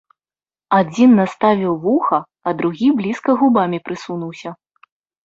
Адзін наставіў вуха, а другі блізка губамі прысунуўся.